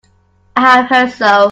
I have heard so.